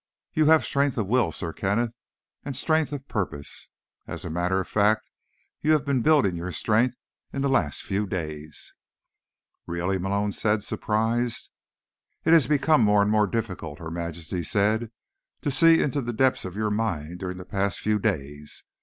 But you have strength of will, Sir Kenneth, and strength of purpose. As a matter of fact, you have been building your strength in the last few days." "Really?" Malone said, surprised. "It's become more and more difficult," Her Majesty said, "to see into the depths of your mind, during the past few days.